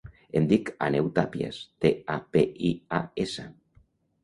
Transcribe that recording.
Em dic Àneu Tapias: te, a, pe, i, a, essa.